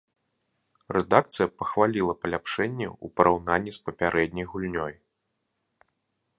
Рэдакцыя пахваліла паляпшэнні ў параўнанні з папярэдняй гульнёй.